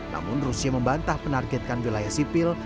namun rusia membantah penargetkan wilayah sipil